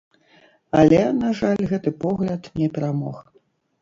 Але, на жаль, гэты погляд не перамог.